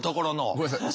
ごめんなさい。